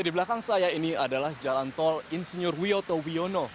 di belakang saya ini adalah jalan tol insinyur wiyoto wiono